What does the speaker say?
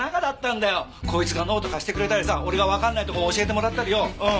こいつがノート貸してくれたりさ俺がわかんないとこ教えてもらったりようん。